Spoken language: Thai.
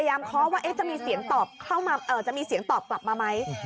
แล้วพยายามเคาะว่าจะมีเสียงตอบกลับมาไหม